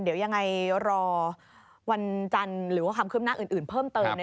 เดี๋ยวยังไงรอวันจันทร์หรือว่าความคืบหน้าอื่นเพิ่มเติม